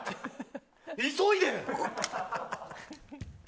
急いで！